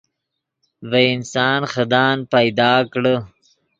ڤے انسان خدان پیدا کڑے